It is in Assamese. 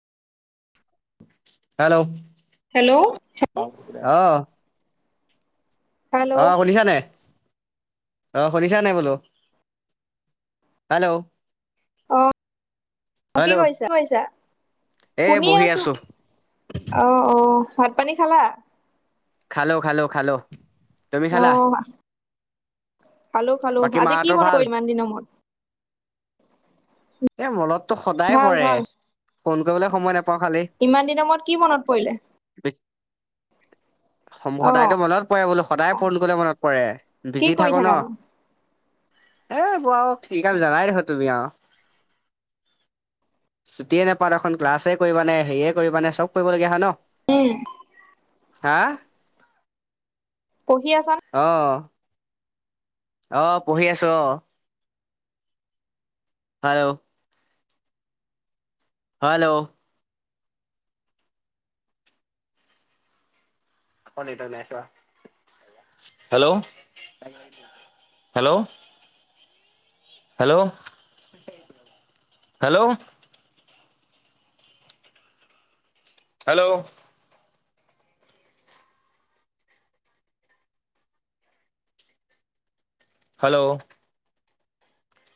হেল্লৌ' হেল্লৌ' অঁ'। হেল্ল' অঁ অ শুনিছা নাই, অঁ শুনিছা নাই বোলো? হেল্লৌ' অঁ কি কৰিছা কি কৰিছা? এ শুনি বহি আছোঁ। আছো অঁ অঁ ভাত পানী খালা? খালো খালো খালো। তুমি অ খালা? খালো খালো বাকী আজি কি মাহেঁতৰ মনত ভাল। পৰিল ইমান দিনৰ মূৰত এ মনততো সদায় ভাল পৰে, ভাল ফোন কৰিবলৈ সময় নাপাওঁ খালি। ইমান দিনৰ মূৰত কি মনত পৰিলে? অ সদায়টো মনত পৰে বোলো সদায় ফোন কৰিবলে মনত পৰে, কি বিজি কৰি থাকো ন। থাকানো এ এইবোৰ আও কি কাম জানাই দেখোন তুমি আও। ছুটিয়ে নাপাওঁ দেখোন ক্লাছে কৰিবানে, হেৰিয়ে কৰিবানে চব কৰিবলগীয়া হয় ন। উম! হা! পঢ়ি আছা নে? অঁ! অঁ! পঢ়ি আছোঁ অ। হেল্ল'! হেল্ল'! আকৌ নেটৱৰ্ক নাই চোৱা। Hello! Hello! Hello! [inaudible] Hello! Hello! Hello!